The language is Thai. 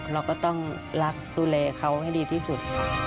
เราก็ต้องรักดูแลเขาให้ดีที่สุด